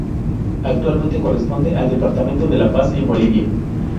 Actualmente corresponde al Departamento de La Paz en Bolivia.